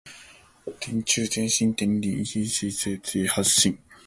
天柱、天心、天禽），居神盤之八神